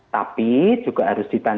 tapi juga harus ditandatangani